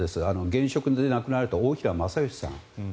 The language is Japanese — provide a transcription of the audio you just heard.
現職で亡くなられた大平正芳さん。